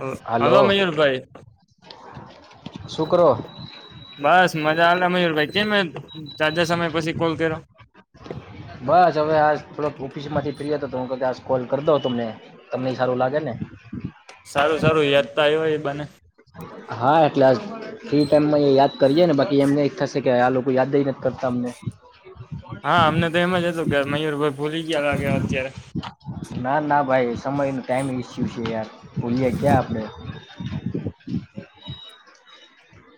અ હાલો મયૂરભાઈ શુ કરો બસ મજા આવે મયુરભાઈ કે મેં જાજા સમય પછી કોલ કર્યો બસ હવે આ થોડક ઓફિસ માંથી ફ્રી હતો તો હું કદાચ કોલ કરી દઉં તમને તમને સારું લાગે ને સારું સારું યાદ ત આયવય બને હા એટલે આ ફ્રી ટાઈમમાં એ યાદ કરીએ ને બાકી એમને એક થશે કે આ લોકો યાદ નથી કરતા અમને હા અમને તો એમ જ હતુ કે મયુરભાઈ ભૂલી ગયા લાગે અત્યારે ના ના ભાઈ સમયને ટાઈમ ઇસ્યુ છે યાર ભૂલએ ક્યા આપણેે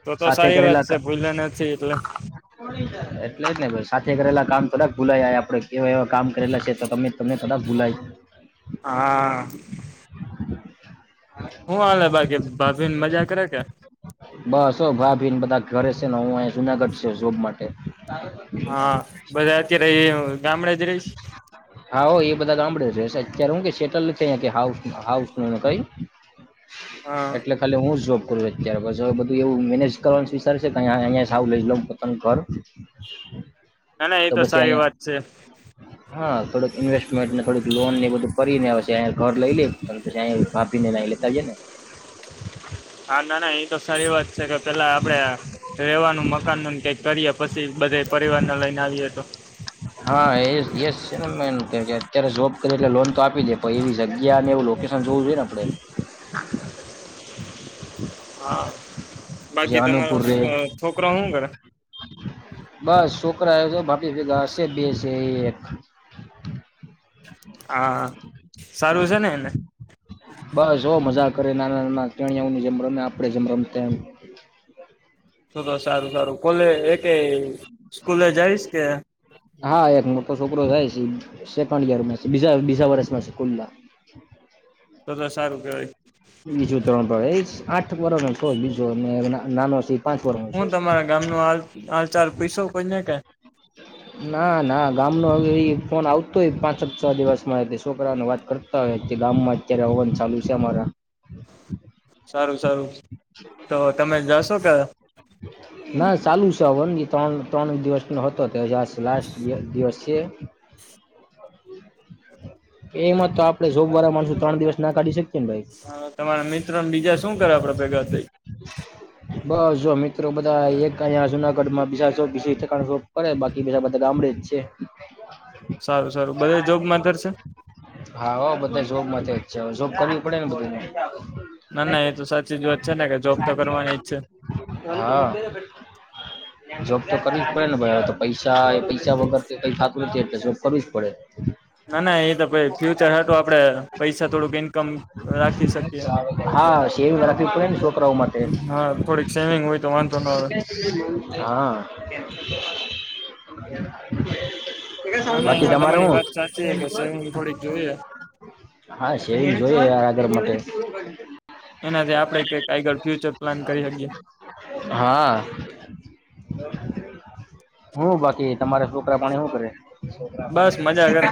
તો તો સાથે સારી વાત કરેલા છે ભૂયલા નથી એટલે એટલે જ ને સાથે કરેલા કામ થોડાક ભૂલાય આપડે કેવા એવા કામ કરેલા છે તો તમે તમને થોડાક ભૂલાય હા હું આલે બાકી ભાભીન મજા કરે કે બસ અ ભાભીન બધા ઘરે છે ને હું અહી જુનાગઢ છે જોબ માટે [unintelligible] રેય ગામડે જ રહીશ હા હો એ બધા ગામડે છે અત્યારે હું કે સેટલ છે હાઉ હાઉસ ન કઈ હા એટલે ખાલી હું જોબ કરું અત્યારે બધું એવું મેનેજ કરવાનું વિચરુ [unintelligible] લઉ પોતાનું ઘર ના ના એ તો સારી વાત છે. ઇન્વેસ્મેંટ ને બધુ લોન ને બધુ પ ને પછી અહિંયા ઘર લઈ લે પછી અઈ ભાભી ને લેતા જઈ ને હા ના ના એ તો સારી વાત છે કે, પેલા આપડે રેવાનું મકાન ન કઈક કરીએ પછી બધા પરિવારને લઈને આવીએ તો. એમ કે કે ને અત્યારે ઝોબ કરી એટલે લોન તો આપી દે પણ એવી જગ્યા ને એવું લોકેશન જોવું જોઈએ ને આપણેે. હા હ [unintelligible] બાકી તમારો અ છોકરો હું કરે? બસ છોકરા આયો શે બાકી ભેગા હશે બે શે એક હા! સારું છે ને એને? બસ જો મજા કરે નાના-નાના ટેણિયાઓની જેમ રમે આપડે જેમ રમતા એમ. તો તો સારું સારું કોલે એકે સ્કૂલે જઈશ કે હા, એક મોટો છોકરો જાય છે સેકન્ડ યરમાં છે બીજા બીજા વર્ષમાં છે કુલ્લા. તો તો સારું કેવાય. ધોરણ ભણે એ આઠ વરહ નો કર બીજો ને નાનો સી હું તમારા ગામ નો હાલ આલ ચાર પૈસો કોઈને કે ના ના ગામ નો હવે ઈ ફોન આવતો હોય પાંચ-છ દિવસમાં તે છોકરાઓ ને વાત કરતા હોય કે ગામમાં અત્યારે હવન ચાલુ છે અમારા. સારું-સારું તો તમે જાશો કે? ના ચાલુ હવન બી ત્રણ-ત્રણ દિવસનો હતો. હજાર લાસ્ટ દિય દિવસ. એ એમાં તો આપણે જોબવાળા માણસો ત્રણ દિવસ ના કાઢી શકીએ. ને ભાઈ હા, તમારા મિત્રને બીજા શું કરે આપડે ભેગા થઈ? બસ જો મિત ટ્રો બધા એક જ આજના. [unintelligible] પડે બાકી બધા ગામડે જ છે. સારું સારું બધા જોબમાં કરશે? હા હો બધા જોબ માટે જ છે અવે જોબ કરવી પડે ને બને. ના ના એ તો સાચી જ વાત છે ને કે, જોબ તો કરવાની જ છે. હા જોબ તો કરવી જ પડે ને ભાઈ અવે તો પૈસા એ પૈસા વગર કઈ ખાતું નથી એટલે જોબ કરવી જ પડે. ના ના એ તો ભાઈ ફ્યુચર હાતુ આપડે પૈસા થોડુંક ઈન્કમ રાખી શકીએ. હા સેવિંગ રાખવી પડે ને છોકરાઓ માટે હા! થોડીક સેવિંગ હોય તો વાંધો ન આવે. હા. ના ના બાકી એમાં તમારે તમારી હું વાત સાચી છે કે સેવિંગ થોડીક જોઈએ હા સેવિંગ જોઈએ યાર આગળ માટે એનાથી આપણે કઈક આગળ ફ્યુચર પ્લાન કરી હકીએ. હા હું બાકી તમારે છોકરા પાણી હું કરે? બસ મજા કરે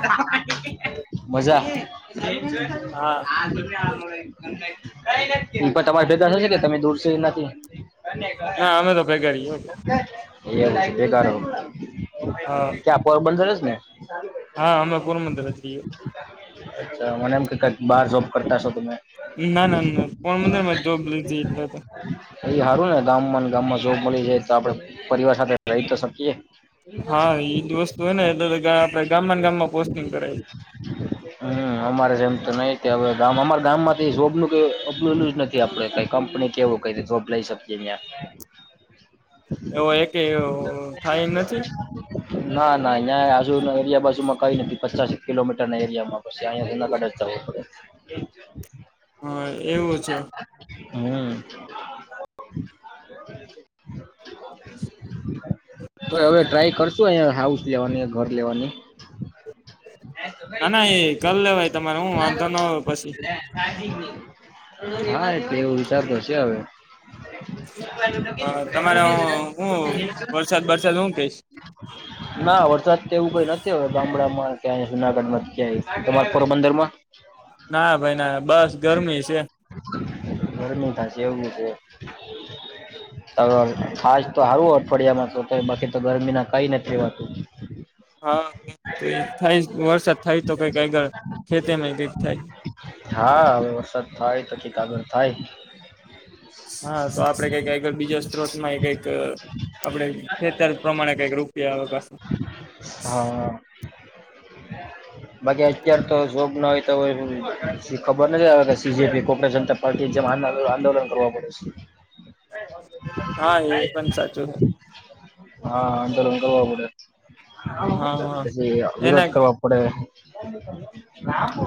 મજા. હમ. આજ આ મ [inaudible] ઉપર તમારા ભેદા થશે કે તમે દૂર છે એના થી અને [unintelligible] કરીડી ઓ [unintelligible] એ બેગારો હા ત્યાં પોરબંદર રજ હ હા આમાં કો મંદર નથી અચ્છા મને એમ કેઈક બાર જોબ કરતા છો તમે ના ના ના કોણ મ જોબધ એટલે એ હારું ને ગામમાં ગામમાં જોબ મળી જાય તો આપડે પરિવાર સાથે રહી તો શકીયએ હા એજ વસ્તુ હોય ને એટલે આપડે ગામમાં ને ગામમાં પોસ્ટિંગ કરાય હમ અમારે જેમ તો નહી હવે ગામ અમારા ગામ માંથી જોબનુંબ લું જ નથી આપડે કઈ કંપની કેવું કઈ જોબ લઇ શકીએ અહં એવો એક થાય નથી ના ના અહીં આજુ એરિયા બાજુમાં કઈ નથી પચાસ કિલોમીટર ના એરિયામાં પ અઢ જ જ પડે હા એવું છે હમ તો હવે ટ્રાય કરશો અ હાઉસ લેવાની ઘર લેવાની ના ના એ કલ લેવાય તમારે હું વાંધો ન આવે પછી હા એટલે એવું વિચારતો હ છે હવે હા તમારે હું વરસાદ બરસાદ હું કહીશ ના વરસાદ તે એવું કઈ નથી હોય ગામડા માં ક્યાં જુનાગઢમાં ક્યા તમા પોરબંદર માં ના ભાઈ ના બસ ગરમી છે [unintelligible] ચાલુ રાખો ખાસ તો હારું અઠવાડિયામાં તો બાકી તો ગરમી ના કઈ નથી રહેવાતું હા થાય વરસાદ થાય તો કઈક આગળ ખેતમાં કક થાય હા હ [unintelligible] હા તો આપડે કક બીજો સ્ત્રોત માં કઈક આપણે છેતર પ્રમાણે કઈક રૂપિયા હા બાકી અત્યાર તો જોબ ના હોય તો ખબર નથી આવે કે સીજપી કોપ જનતા પાર્ટી જેમ આંદોલન કરવા પડે છે હ [unintelligible] હા એ પણ સાચું. હાલકલ પડે. હા હા પછી એના વિરોધ કરવો પડે. [unintelligible]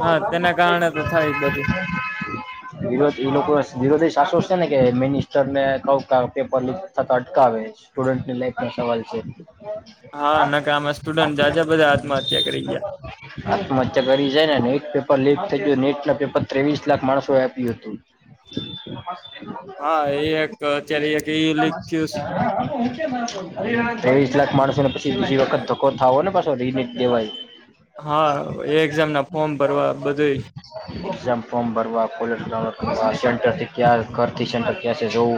હા તેના કારણે તો થાય જ બધું [inaudible] એ લોકો વિરોધી શાસવશ. તને કેહ મેની. સરને કહ ક પેપર લીક થતા અટકાવે, સ્ટુડન્ટની લાઈફ નો સવાલ છે. હા નકા આમાં સ્ટુડન્ટ જાજા બધા આત્મહત્યા કરી ગયા આત્મહત્યા કરી જાય નેટ એક પેપર લીક થઈ એ નેટ ના પેપર ત્રેવીસ લાખ માણસો આપ્યું હતું. હા એ એક અત્યારે એક ઈ લીક થયું ત્રેવીસ લાખ માણસ તો ને પછી બીજી વખત ધકો થાવો ને પાછો રીમિક્ દેવાય. હા, એ એક્ઝામ ના ફોર્મ ભરવા બધું એ હા, સન્ટરથી ક્યા કરતી સેન્ટર. કેશે જોવ.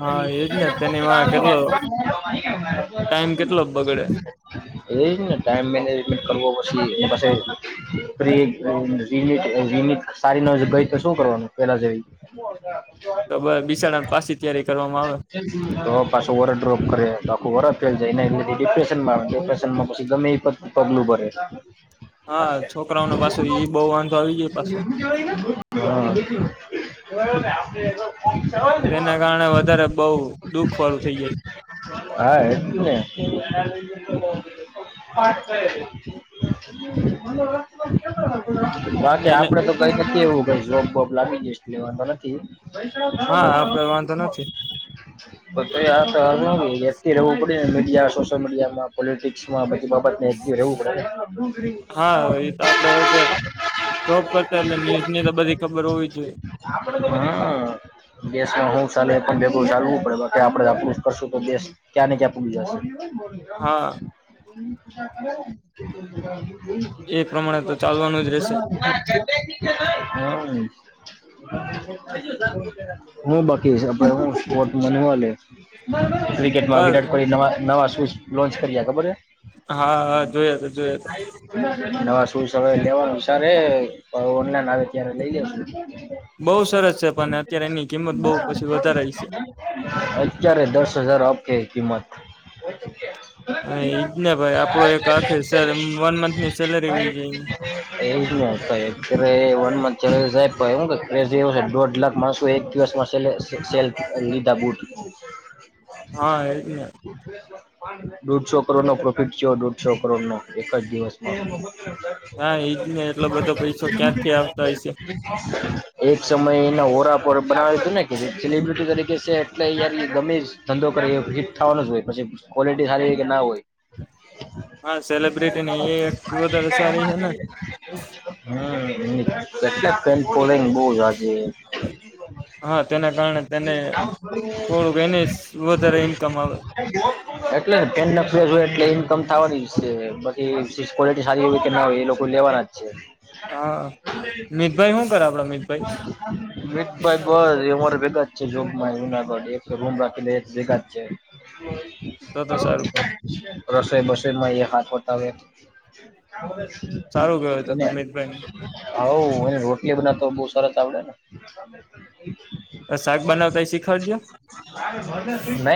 હા એજ ને તેની માં કેટલો ટાઈમ કેટલો બગડે એજ ને ટાઈમ મેનેજમેન્ટ કરવો પ પછી પછ સારી ન ગઈ તો શું કરવાનું પેલા જેવી. તો બિસાડા પાછી તૈયારી કરવામાં આવે તો પાછો [unintelligible] ડ્રોપ કરે. ઘોરા ફેલ એ ડિપ્રેશનમાં ડિપ્રેશનમાં પછી ગમે એ પગ્લું ભરે છે. હા છોકરાઓને પાછો ઈ બહુ વાંધો આવી જાય પાછો [unintelligible] [unintelligible] [inaudible] હા તેના કારણે વધારે બઉ દુઃખ વાળું થઈ જાય એજ ને. [unintelligible] બાકી એને આપડે તો કઈ શકીએ એવું. બાકી જોબ બોબ લાગી જાય એ અલગ કે હા આપડે વાંધો નથી બધ તો રહેવું પડે. મીડિયા સોશિયલ મીડિયામાં પોલિટિક્સમાં બાબત મા એકટીવે રહેવું પડે. હા એ તો આપડે જોબ કરતા એટલે ન્યુઝ ની તો બધી ખબર હોવી જોઈએ હ દેશમાં હું ચાલે એ પણ ભેગું ચાલવું પડે બાકી આપડે આપણું જ કરશું તો દેશ ક્યાં ને ક્યાં પૂગી જાશે. હા. [inaudible] એ પ્રમાણે તો ચાલવાનું જ રહેશે હમ [unintelligible] [inaudible] હ બાકી વતવાલે. ક્રિકેટમાં બસ વિરાટ કોહલી ના નવા સ્વિચ લોન્ચ કરીએ ખબર હે હા હા જોઈ તો જોય તો નવા શૂઝ હવે લેવાનું વિચારે ઓનલાઈન આવે ત્યારે લઈ લે બહુ સરસ છે પણ અત્યારે એની કિંમત બહુ પછી વધારાય છે અત્યારે દસ હજાર આપે કિંમત [inaudible] [inaudible] હા એજ ન એજ આવ ને ભાઈ આપડો એક આખી વન મંથ ની સેલરી વહી જાય એક વન ચા સાહેબ [inaudible] [inaudible] છે દોઢ લાખ માણસો એક દિવસમાં સેલ લીધા બુટ હા એજ ને [unintelligible] દોઢસો કરોડ નો પ્રોફિટ થયો દોઢસો કરોડ નો એક જ દિવસમાં હા એજ ને એટલો બધો પૈસો ક્યાંથી આવતા હોય છે [inaudible] એક સમય એના હોરા પર બનાવે હતું ને કે જે સેલિબ્રિટી તરીકે છે એટલે અ ગમે ધંધો કરી હિટ થવાનો જ હોય પછી ક્વોલિટી સારી હોય કે ના હોય હા સેલિબ્રિટીની એ એક વધારે સારી છે ને [inaudible] હમ [inaudible] [inaudible] હા તેના કારણે તેને થોડુંક એની વધારે ઈન્કમ આવે એટલેને પેન ન હોય એટલે ઇન્કમ થવાની છે બાકી ક્વોલિટી સારી હો કે ના હોય એ લોકો લેવાના જ છે હા મિતભાઈ શું કરે આપડા મિતભાઈ મિતભાઇ બસ એ મારે ભેગુ એક જ છે જોબ માં જૂનાગઢ એ રૂમ રાખી બે ભેગા જ છે. તો તો સારું [inaudible] રસોઈ બસ [inaudible] માં એ હાથે હોતા હોય સારું કેવાય [inaudible] તો એને તો મિતભાઈ હાર હવ એને રોજ [unintelligible] તરત આવડે ને શાક બનાવતા શીખાડજો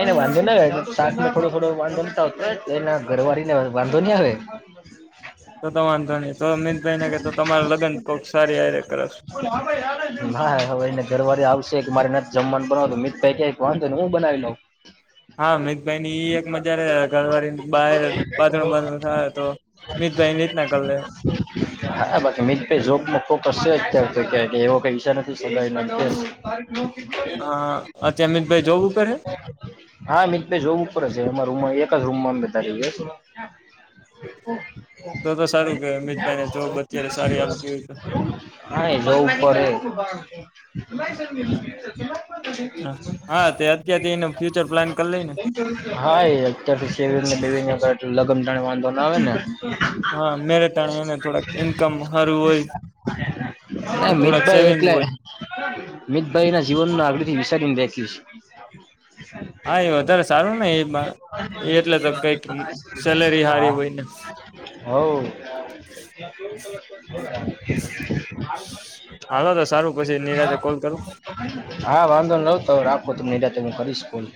[inaudible] નહી નહી વાંધો નહી એતો શાકનો થોડો થોડો વાંધો ન આવતો એના ઘરવાળી ને વાંધો નહી આવે તો તમા જાણી તો અમિતભાઈ નાને કે તો તમારા લગ્ન કો સારી આરે કરશે હા હવે એને ઘરવાર આવશે કે મારે ના જમવાનું બનાવ અમીતભાઇ કે વાંધો ને હું બનાવી લઉં હા, મિતભાઈ ની એક મજા ઘરવાળી બાર બાંધું બાંધું થાય તો મિતભાઈની રીતના કર લે. હા બાકી મિડ પે જોબમાં ફોકસ છે અત્યારે તો કએ એવો કઈ વિસાર નથી સમાય હા અત્યારે મિતભાઈ જોબ ઉપર હે [inaudible] હા, મિતભાઈ જોવું પડે છે એમાં રુમાં એક કા રૂમમા બેઠા ગયા [inaudible] તો તો હા સારું કે મિતભાઈને જોબ અત્યારે સારી હાલતી હોય તો એ જોઉં પરે. હા તે અત્યારથી એનો ફ્યુચર પ્લાન કરી લઈ ને હા, એ અત્યાર સેવીને બેવી [inaudible] [inaudible] ને વાંધો નો આવે ને. હા મેરેજ ટાણે એને થોડુક ઈન્કમ હારું હોય. હા અને થોડાક મિતભાઈ સેવિંગ એટલે હોય મિતભાઈ ના જીવન નું આગળથી વિચારીને દે હા એ વધારે સારું ને એ એટલે તો કઈક સેલેરી [inaudible] હા. હારી હોય ને હઓ. હાલો તો સારું પછી નિરાતે હા. કોલ કરું હા, વાંધો નય તો રાત હું નિરાંતે તમે કરીશ. ફોન. [inaudible]